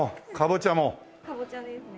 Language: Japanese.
カボチャですね